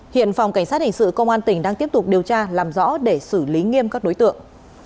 hiện phòng cảnh sát hình sự công an tỉnh đang tiếp tục điều tra làm rõ để xử lý nghiêm các đối tượng